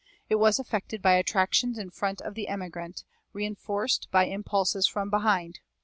It was effected by attractions in front of the emigrant, reinforced by impulses from behind.